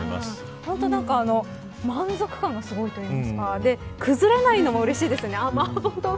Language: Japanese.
本当に満足感がすごいといいますか崩れないのもうれしいですね。